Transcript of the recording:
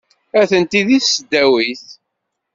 Atenti deg tesdawit.